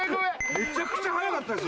めちゃくちゃ早かったです